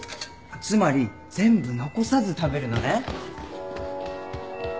つまり全部残さず食べるのね。